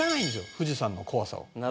富士山の怖さを。